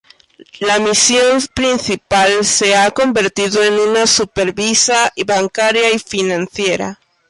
La misión principal se ha convertido en una supervisa bancaria y financiera.